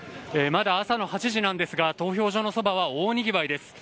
まだ朝の８時なんですが、投票所のそばは大にぎわいです。